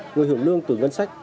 người hiểu lương từ ngân sách